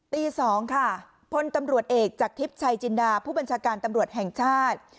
ตี๒ค่ะพลตำรวจเอกจากทิพย์ชัยจินดาผู้บัญชาการตำรวจแห่งชาติ